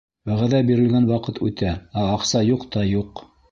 Вәғәҙә бирелгән ваҡыт үтә, ә аҡса юҡ та юҡ.